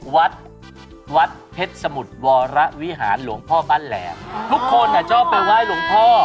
วัดวัดเพชรสมุทรวรวิหารหลวงพ่อบ้านแหลมทุกคนอ่ะชอบไปไหว้หลวงพ่อ